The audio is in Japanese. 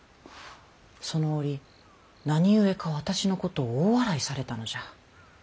その折何故か私のことを大笑いされたのじゃ。